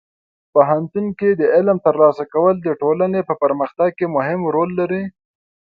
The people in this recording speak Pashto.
پوهنتون کې د علم ترلاسه کول د ټولنې په پرمختګ کې مهم رول لري.